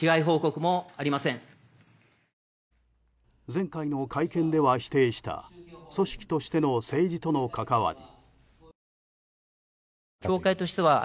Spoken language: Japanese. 前回の会見では否定した組織としての政治との関わり。